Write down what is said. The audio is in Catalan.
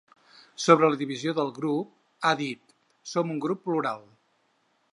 Sobre la divisió del seu grup, ha dit: Som un grup plural.